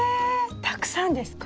たくさんですか？